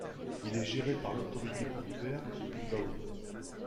Il est géré par l'autorité portuaire du Bilbao.